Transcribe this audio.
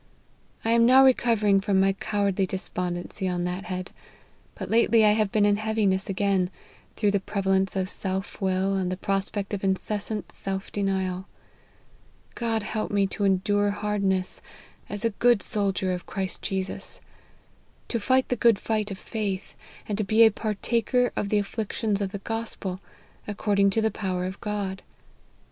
I am now recovering from my cowardly despondency on that head ; but lately I have been in heaviness again, through the preva lence of self will, and the prospect of incessant self denial. God help me to endure hardness, as a good soldier of Christ Jesus ; to fight the good fight of faith ; and to be a partaker of the afflictions of the Gospel, according to the power of God.